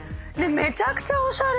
めちゃくちゃおしゃれ。